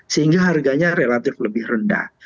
sehingga harganya relatif lebih rendah